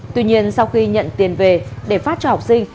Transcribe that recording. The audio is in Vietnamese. tuy nhiên sau khi nhận tiền về để phát cho học sinh